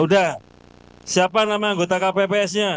sudah siapa nama anggota kppsnya